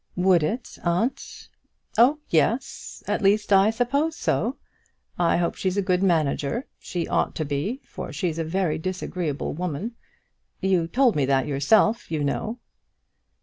"Would it, aunt?" "Oh, yes; at least, I suppose so. I hope she's a good manager. She ought to be, for she's a very disagreeable woman. You told me that yourself, you know."